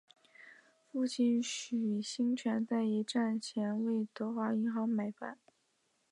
父亲许杏泉在一战前为德华银行买办。